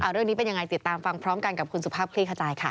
เรื่องนี้เป็นยังไงติดตามฟังพร้อมกันกับคุณสุภาพคลี่ขจายค่ะ